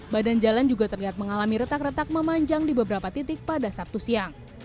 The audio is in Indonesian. badan jalan juga terlihat mengalami retak retak memanjang di beberapa titik pada sabtu siang